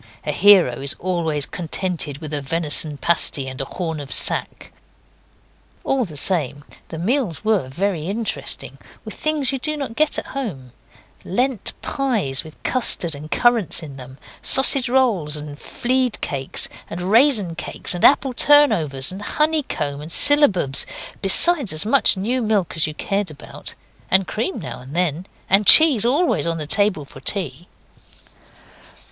A hero is always contented with a venison pasty and a horn of sack. All the same, the meals were very interesting; with things you do not get at home Lent pies with custard and currants in them, sausage rolls and fiede cakes, and raisin cakes and apple turnovers, and honeycomb and syllabubs, besides as much new milk as you cared about, and cream now and then, and cheese always on the table for tea.